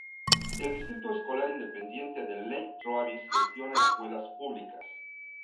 El Distrito Escolar Independiente de Lake Travis gestiona escuelas públicas.